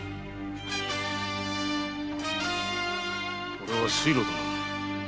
これは水路だな。